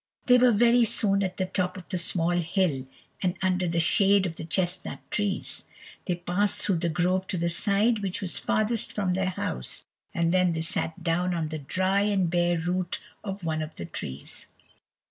They were very soon at the top of the small hill, and under the shade of the chesnut trees. They passed through the grove to the side which was farthest from their house, and then they sat down on the dry and bare root of one of the trees.